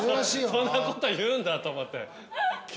そんなこと言うんだと思って。